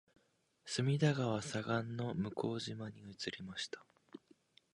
隅田川左岸の向島に移りました